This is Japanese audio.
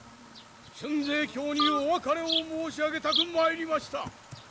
俊成にお別れを申し上げたく参りました。